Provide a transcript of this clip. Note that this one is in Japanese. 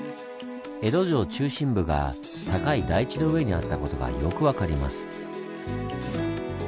江戸城中心部が高い台地の上にあったことがよく分かります。